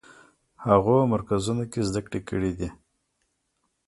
هغو مرکزونو کې زده کړې کړې دي.